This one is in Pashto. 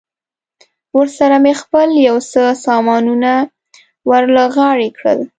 ورسره مې خپل یو څه سامانونه ور له غاړې کړل.